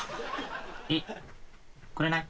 えっくれない？